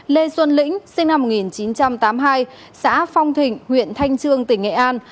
lê xuân lĩnh sinh năm một nghìn chín trăm tám mươi hai xã phong thịnh huyện thanh trương tỉnh nghệ an